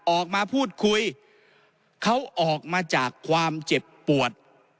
ออกมาพูดคุยเขาออกมาจากความเจ็บปวด